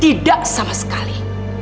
tidak sama sekali